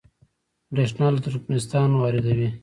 بریښنا له ترکمنستان واردوي